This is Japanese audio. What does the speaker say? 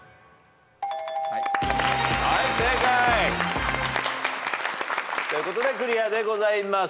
はい正解。ということでクリアでございます。